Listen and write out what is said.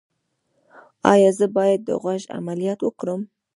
ایا زه باید د غوږ عملیات وکړم؟